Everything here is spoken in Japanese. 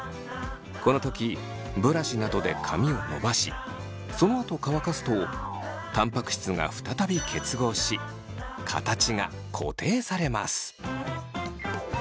この時ブラシなどで髪を伸ばしそのあと乾かすとたんぱく質が再び結合し形が固定されます。